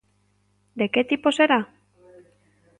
De que tipo será?